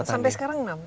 sampai sekarang enam